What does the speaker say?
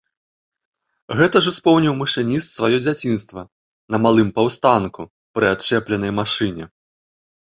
Гэта ж успомніў машыніст сваё дзяцінства, на малым паўстанку, пры адчэпленай машыне.